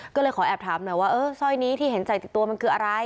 ก็เลยขอแอบถามหน่อยว่าเออสร้อยนี้ที่เห็นใส่ติดตัวมันคืออะไร